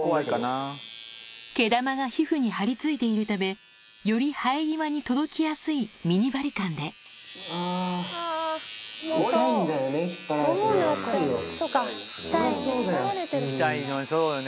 毛玉が皮膚に張り付いているためより生え際に届きやすいミニバリカンでそりゃそうだようん。